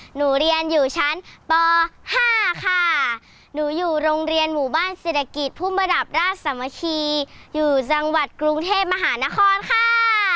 หนูเรียนอยู่ชั้นป๕ค่ะหนูอยู่โรงเรียนหมู่บ้านเศรษฐกิจภูมิระดับราชสามัคคีอยู่จังหวัดกรุงเทพมหานครค่ะ